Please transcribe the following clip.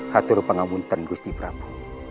hathur pengapunten gusti prabu